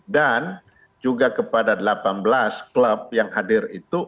dan juga kepada delapan belas klub yang hadir itu